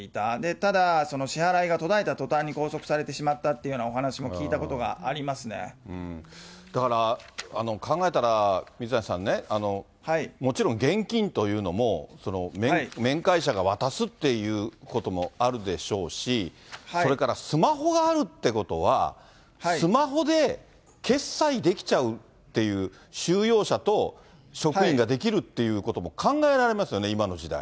ただ、その支払いが途絶えたとたんに拘束されてしまったというようなおだから、考えたら、水谷さんね、もちろん現金というのも、面会者が渡すっていうこともあるでしょうし、それからスマホがあるっていうことは、スマホで決済できちゃうっていう、収容者と職員ができるっていうことも考えられますよね、今の時代。